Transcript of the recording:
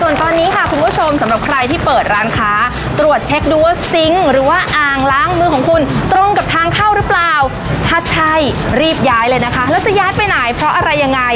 ส่วนตอนนี้ค่ะคุณผู้ชมสำหรับใครที่เปิดร้านค้าตรวจเช็คดูว่าซิงค์หรือว่าอ่างล้างมือของคุณตรงกับทางเข้าหรือเปล่าถ้าใช่รีบย้ายเลยนะคะแล้วจะย้ายไปไหนเพราะอะไรยังไง